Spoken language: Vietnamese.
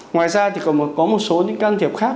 ngoài ra thì còn có một số những can thiệp khác